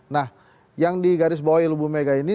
nah yang digarisbawahi ibu mega ini